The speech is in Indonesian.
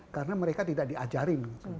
karena mereka tidak diajarin